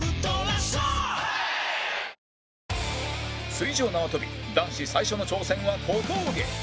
水上縄跳び男子最初の挑戦は小峠